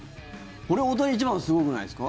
これ、大谷が１番はすごくないですか？